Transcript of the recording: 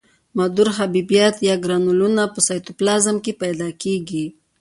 مدور حبیبات یا ګرنولونه په سایتوپلازم کې پیدا کیږي.